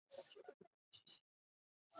天启元年辛酉乡试举人。